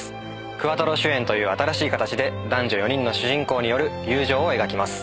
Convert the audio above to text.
クアトロ主演という新しい形で男女４人の主人公による友情を描きます。